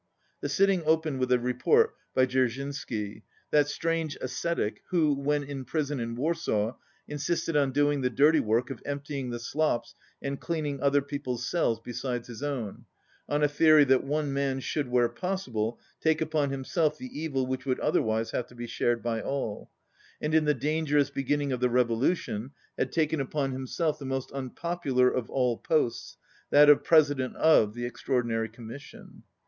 I The sitting opened with a report by Dserzhin sky, that strange ascetic w'ho, when in prison in Warsaw, insisted on doing the dirty work of emptying the slops and cleaning other people's cells besides his own, on a theory that one man should where possible take upon himself the evil which would otherwise have to be shared by all; and in the dangerous beginning of the revolution had taken upon himself the most unpopular of all posts, that of President of the Extraordinary Commission.